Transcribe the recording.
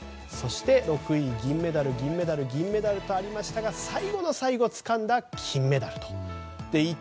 そして、６位、銀メダル銀メダル銀メダルとありましたが最後の最後、つかんだ金メダル。